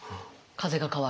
風が変わると。